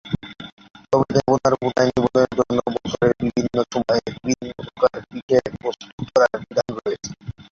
তবে দেবতার পূজায় নিবেদনের জন্য বছরের বিভিন্ন সময়ে বিভিন্ন প্রকার পিঠে প্রস্তুত করার বিধান রয়েছে।